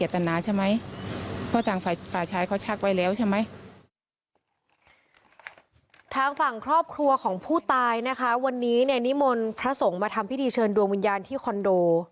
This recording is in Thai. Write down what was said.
ทางฝั่งครอบครัวของผู้ตายนะคะวันนี้เนี่ยนิมนต์พระสงฆ์มาทำพิธีเชิญดวงวิญญาณที่คอนโด